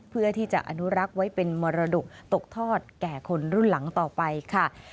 เพื่อที่จะอนุรักษ์ไว้เป็นมรดกตกทอดแก่คนรุ่นหลังต่อไปค่ะ